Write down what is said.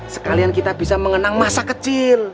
sekalian kita bisa mengenang masa kecil